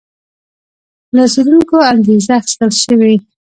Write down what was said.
له څېړونکو انګېزه اخیستل شوې.